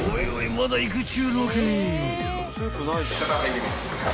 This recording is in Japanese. まだいくっちゅうのけ！？］